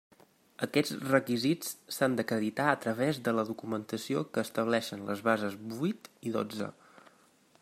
Aquests requisits s'han d'acreditar a través de la documentació que estableixen les bases vuit i dotze.